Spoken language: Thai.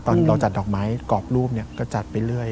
ตอนเราจัดดอกไม้กรอบรูปก็จัดไปเรื่อย